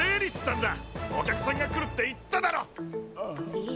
えっ？